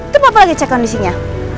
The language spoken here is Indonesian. tapi papa lagi cek kondisinya